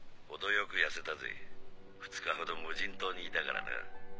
程よく痩せたぜ２日ほど無人島にいたからな。